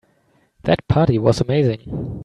That party was amazing.